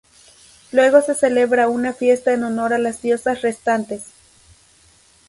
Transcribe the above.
Luego se celebra una fiesta en honor a las diosas restantes.